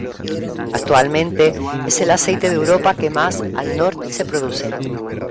Actualmente es el aceite de Europa que más al norte se produce.